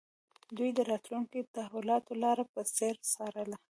دوی د راتلونکو تحولاتو لاره په ځیر څارله